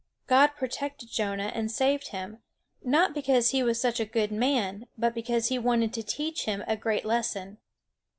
God protected Jonah and saved him, not because he was such a good man, but because he wanted to teach him a great lesson.